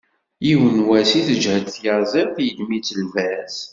Yiwen wass i tgeḥḥel tyaẓiḍt, yeddem-itt lbaz.